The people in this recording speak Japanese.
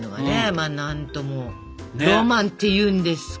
まあ何ともロマンっていうんですか。